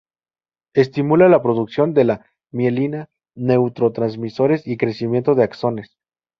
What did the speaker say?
Estimula la producción de la mielina, neurotransmisores, y crecimiento de axones.